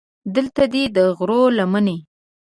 دلته دې د غرو لمنې.